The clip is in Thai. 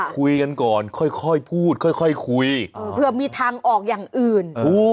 คุยกันก่อนค่อยพูดค่อยคุยเผื่อมีทางออกอย่างอื่น